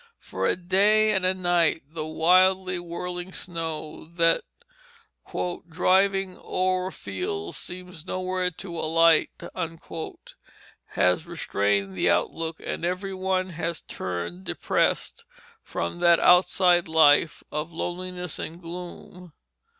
For a day and a night the wildly whirling snow that "driving o'er the fields seems nowhere to alight" has restrained the outlook, and every one has turned depressed from that outside life of loneliness and gloom.